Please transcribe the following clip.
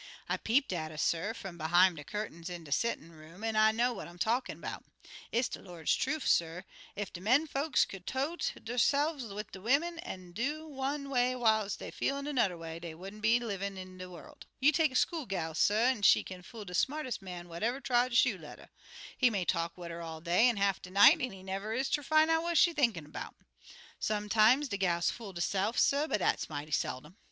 I peeped at 'er, suh, fum behime de curtains in de settin' room, an' I know what I'm talkin' 'bout. It's de Lord's trufe, suh, ef de men folks could tote derse'f like de wimmen, an' do one way whiles dey feelin' annuder way, dey wouldn't be no livin' in de worl'. You take a school gal, suh, an' she kin fool de smartest man what ever trod shoe leather. He may talk wid 'er all day an' half de night, an' he never is ter fin' out what she thinkin' 'bout. Sometimes de gals fools deyse'f, suh, but dat's mighty seldom.